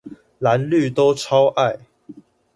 藍綠都超愛